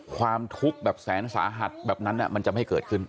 ความทุกข์แบบแสนสาหัสแบบนั้นมันจะไม่เกิดขึ้น